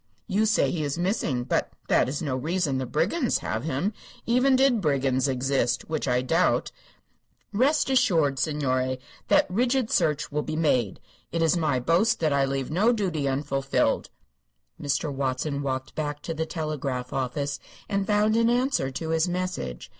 You say he is missing, but that is no reason the brigands have him, even did brigands exist, which I doubt. Rest assured, signore, that rigid search will be made. It is my boast that I leave no duty unfulfilled." Mr. Watson walked back to the telegraph office and found an answer to his message.